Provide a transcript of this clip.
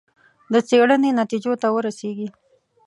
د څېړنې نتیجو ته ورسېږي.